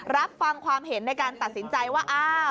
รับฟังความเห็นในการตัดสินใจว่า